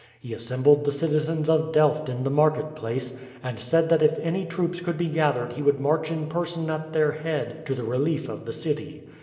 He assembled the citizens of Delft in the marketplace, and said that if any troops could be gathered he would march in person at their head to the relief of the city.